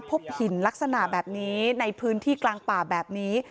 พบหินลักษณะแบบนี้ในพื้นที่กลางป่าแบบนี้